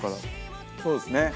そうですね。